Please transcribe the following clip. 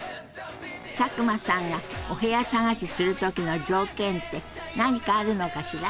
佐久間さんがお部屋探しする時の条件って何かあるのかしら？